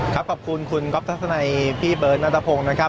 ครับขอบคุณคุณครอบทัศนัยพี่เบิร์ตณพงศ์นะครับ